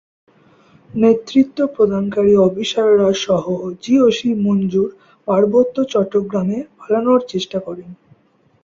নেতৃত্ব প্রদানকারী অফিসাররা সহ জিওসি মঞ্জুর পার্বত্য চট্টগ্রামে পালানোর চেষ্টা করেন।